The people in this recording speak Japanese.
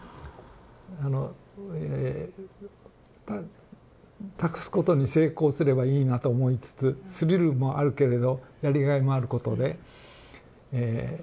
あの託すことに成功すればいいなと思いつつスリルもあるけれどやりがいもあることで。